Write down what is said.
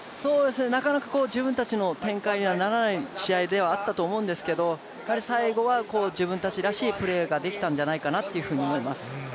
なかなか自分たちの展開にはならない試合ではあったと思うんですけど最後は自分たちらしいプレーができたんじゃないかなと思います。